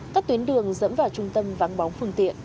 các tuyến đường dẫn vào trung tâm vắng bóng phương tiện